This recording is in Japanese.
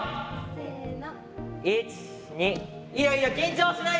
せの。